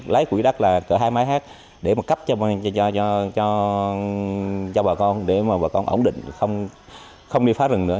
lấy quỹ đất là c hai máy hát để mà cấp cho bà con để mà bà con ổn định không đi phá rừng nữa